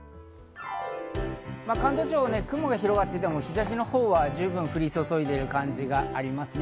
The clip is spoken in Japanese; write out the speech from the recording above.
関東地方、雲が広がっていても日差しの方は十分降り注いでいる感じがありますね。